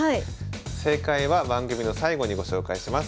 正解は番組の最後にご紹介します。